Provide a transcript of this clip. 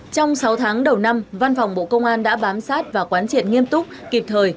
trong sáu tháng đầu năm văn phòng bộ công an đã bám sát và quán triệt nghiêm túc kịp thời